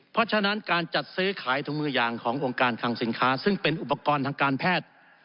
เพราะฉะนั้นการจัดซื้อขายถุงมืออย่างขององค์การคังสินค้าซึ่งเป็นอุปกรณ์ทางการแพทย์